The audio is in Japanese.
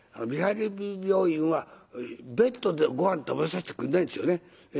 リハビリ病院はベッドでごはん食べさせてくれないんですよね。